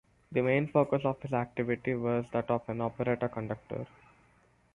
The main focus of his activity was that of an operetta conductor.